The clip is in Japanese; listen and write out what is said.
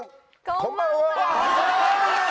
こんばんは！